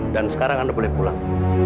dan sekarang anda boleh pulang